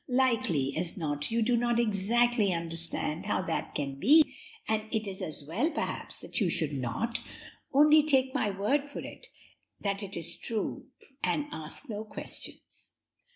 Likely as not you do not exactly understand how that can be, and it is as well, perhaps, that you should not; only take my word for it, that it is true, and ask no questions.